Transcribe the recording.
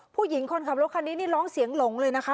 ผู้หญิงคนขับรถคันนี้นี่ร้องเสียงหลงเลยนะคะ